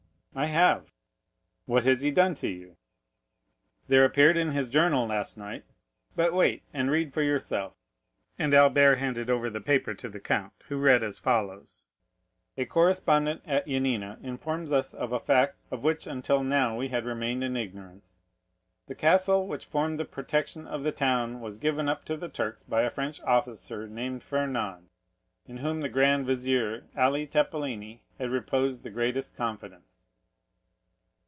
"I have." 40094m "What has he done to you?" "There appeared in his journal last night—but wait, and read for yourself." And Albert handed over the paper to the count, who read as follows: "A correspondent at Yanina informs us of a fact of which until now we had remained in ignorance. The castle which formed the protection of the town was given up to the Turks by a French officer named Fernand, in whom the grand vizier, Ali Tepelini, had reposed the greatest confidence."